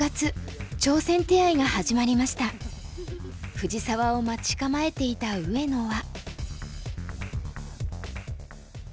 藤沢を待ち構えていた上野は。